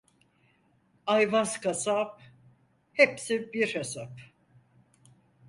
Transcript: Ayvaz kasap hepsi bir hesap.